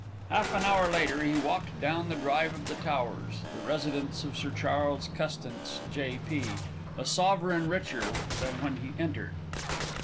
Half an hour later he walked down the drive of The Towers, the residence of Sir Charles Custance, J.P., a sovereign richer than when he entered.